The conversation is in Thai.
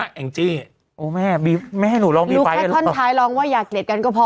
จริงจริงโอ้แม่บีไม่ให้หนูลองลองว่าอยากเกลียดกันก็พอ